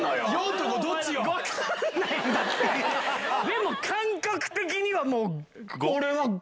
でも感覚的には俺は。